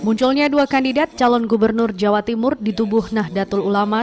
munculnya dua kandidat calon gubernur jawa timur di tubuh nahdlatul ulama